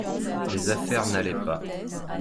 les affaires n'allaient pas.